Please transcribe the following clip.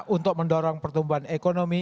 untuk mendorong pertumbuhan ekonomi